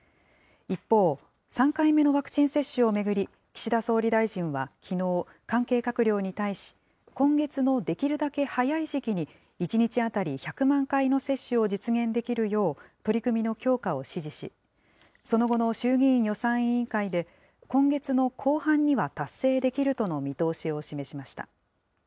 一方、３回目のワクチン接種を巡り、岸田総理大臣はきのう、関係閣僚に対し、今月のできるだけ早い時期に、１日当たり１００万回の接種を実現できるよう、取り組みの強化を指示し、その後の衆議院予算委員会で、今月の後半には達成できるとの見通しを示しました。